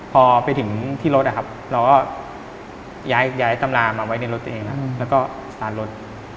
พอไปถึงที่รถนะครับเราก็ย้ายตำรามาไว้ในรถตัวเองแล้วก็สตาร์ทรถ